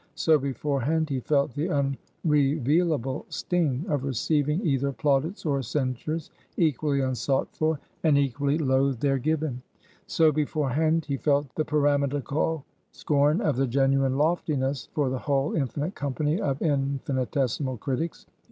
So beforehand he felt the unrevealable sting of receiving either plaudits or censures, equally unsought for, and equally loathed ere given. So, beforehand he felt the pyramidical scorn of the genuine loftiness for the whole infinite company of infinitesimal critics.